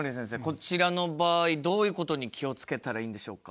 こちらの場合どういうことに気を付けたらいいんでしょうか？